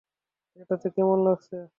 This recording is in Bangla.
এটাতে কেমন লাগছে।